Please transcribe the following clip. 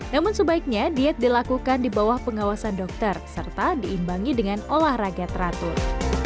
namun sebaiknya diet dilakukan di bawah pengawasan dokter serta diimbangi dengan olahraga teratur